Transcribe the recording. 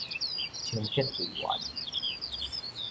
清潔隊員